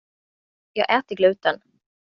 Jag äter gluten.